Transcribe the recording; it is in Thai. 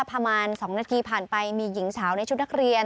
ประมาณ๒นาทีผ่านไปมีหญิงสาวในชุดนักเรียน